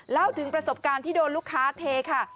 เล่าถึงประสบการณ์ที่โดนลูกค้าเทค่ะ